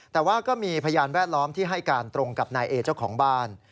แต่ว่าก็มีพยานแวดล้อมที่ให้การตรงกับนายเอเจ้าของบ้าน